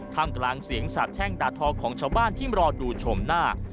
ทำกลางเสียงสาบแช่งด่าทอของชาวบ้านที่รอดูชมหน้า